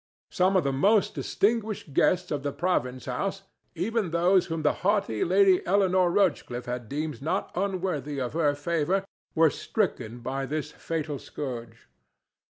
Some of the most distinguished guests of the province house—even those whom the haughty Lady Eleanore Rochcliffe had deemed not unworthy of her favor—were stricken by this fatal scourge.